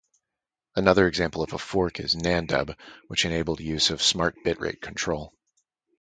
Another example of a fork is Nandub, which enabled use of Smart Bitrate Control.